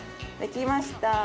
できました。